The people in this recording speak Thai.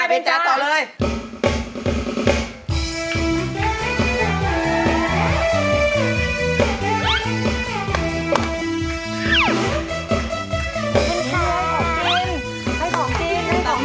เราก็กลัวปุหรีที่มาเดินตลาดกัน